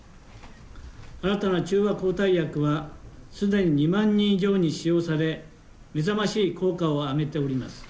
新たな中和抗体薬はすでに２万人以上に使用され、目覚ましい効果を上げています。